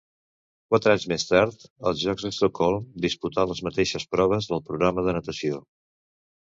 Quatre anys més tard, als Jocs d'Estocolm, disputà les mateixes proves del programa de natació.